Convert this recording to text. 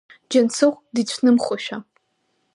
Џьансыхә дицәнымхошәа.